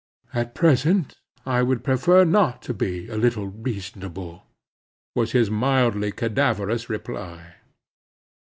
"At present I would prefer not to be a little reasonable," was his mildly cadaverous reply.